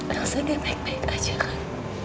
elsa dia baik baik aja kan